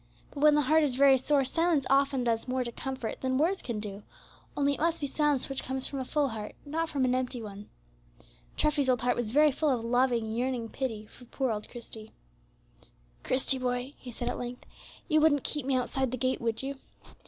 But when the heart is very sore, silence often does more to comfort than words can do, only it must be silence which comes from a full heart, not from an empty one. Treffy's old heart was very full of loving, yearning pity for poor little Christie. "Christie, boy," he said, at length, "you wouldn't keep me outside the gate; would you?"